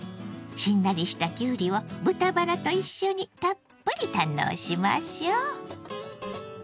しんなりしたきゅうりを豚バラと一緒にたっぷり堪能しましょう！